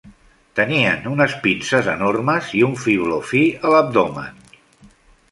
Tenien unes pinces enormes i un fibló fi a l'abdomen.